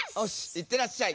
いってらっしゃい。